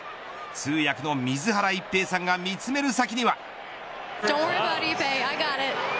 通訳の水原一平さんが見つめる先には。